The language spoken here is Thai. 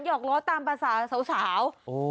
หยอกล้อตามภาษาสาวนะครับ